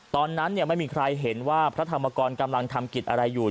ตอนนั้นไม่มีใครเห็นว่าพระธรรมกรกำลังทำกิจอะไรอยู่